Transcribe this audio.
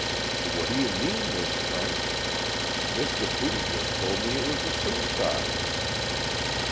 "What do you mean, Miss French? Miss Dupuy just told me it was a suicide."